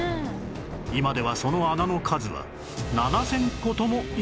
今ではその穴の数は７０００個ともいわれている